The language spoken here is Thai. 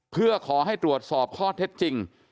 เพื่อขอให้ตรวจสอบข้อเท็จจริง